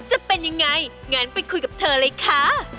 จะเป็นยังไงงั้นไปคุยกับเธอเลยค่ะ